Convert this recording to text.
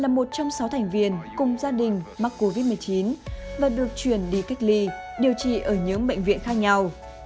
là một trong sáu thành viên cùng gia đình mắc covid một mươi chín và được chuyển đi cách ly điều trị ở những bệnh viện khác nhau